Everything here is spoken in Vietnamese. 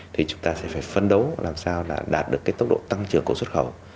thì chúng ta sẽ phải phân đấu làm sao đạt được tốc độ tăng trưởng của xuất khẩu